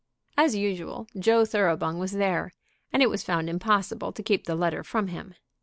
As usual, Joe Thoroughbung was there, and it was found impossible to keep the letter from him.